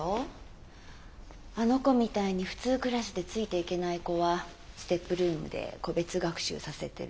あの子みたいに普通クラスでついていけない子はＳＴＥＰルームで個別学習させてる。